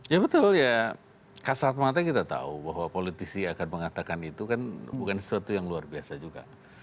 ya betul ya kasat mata kita tahu bahwa politisi akan mengatakan itu kan bukan sesuatu yang luar biasa juga